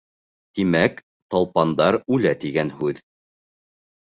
Тимәк, талпандар үлә тигән һүҙ.